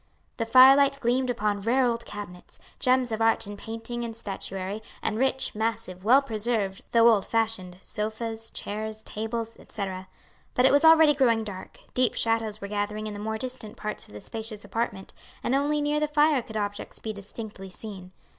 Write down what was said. The firelight gleamed upon rare old cabinets, gems of art in painting and statuary, and rich, massive, well preserved, though old fashioned sofas, chairs, tables, etc. But it was already growing dark, deep shadows were gathering in the more distant parts of the spacious apartment, and only near the fire could objects be distinctly seen.